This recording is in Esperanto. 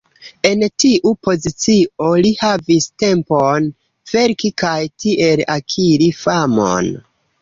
En tiu pozicio li havis tempon verki kaj tiel akiri famon.